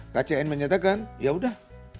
kcn menyatakan ya udah